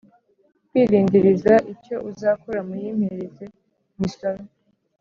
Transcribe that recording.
kwirindiririza icyo uzakora muyimpereze nyisome